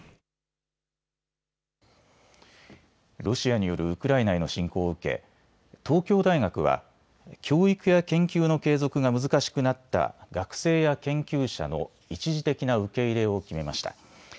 ロシアによるウクライナへの侵攻を受け東京大学は教育や研究の継続が難しくなった学生や研究者の一時的な受け入れを決めました。